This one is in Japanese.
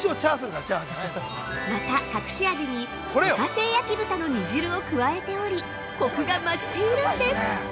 また、隠し味に自家製焼き豚の煮汁を加えておりコクが増しているんです！